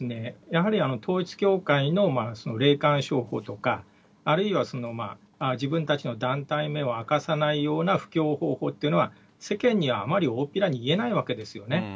やはり統一教会の霊感商法とか、あるいは自分たちの団体名を明かさないような布教方法というのは、世間にはあまり大っぴらにいえないわけですよね。